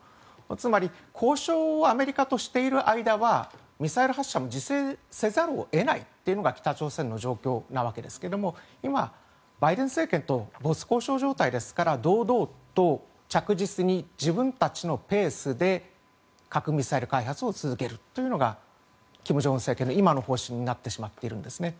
つまり、交渉をアメリカとしている間はミサイル発射も自制せざるを得ないというのが北朝鮮の状況なわけですが今、バイデン政権と没交渉状態ですから堂々と着実に自分たちのペースで核・ミサイル開発を続けるというのが金正恩政権の今の方針になってしまっているんですね。